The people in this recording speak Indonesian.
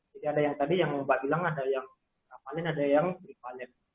jadi ada yang tadi yang mbak bilang ada yang rafalin ada yang rifalin